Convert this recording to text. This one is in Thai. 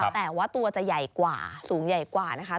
แต่ว่าตัวจะใหญ่กว่าสูงใหญ่กว่านะคะ